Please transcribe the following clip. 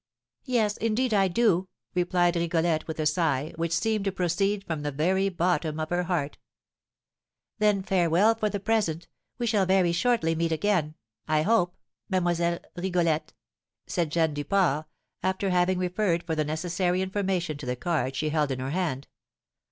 "Yes, indeed, I do," replied Rigolette, with a sigh, which seemed to proceed from the very bottom of her heart. "Then farewell for the present; we shall very shortly meet again, I hope, Mlle. Rigolette!" said Jeanne Duport, after having referred for the necessary information to the card she held in her hand.